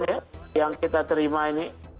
yang kita terima ini